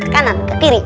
kanan ke kiri